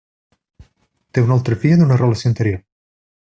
Té una altra filla d'una relació anterior.